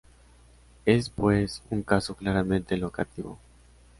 Es, pues, un caso claramente locativo.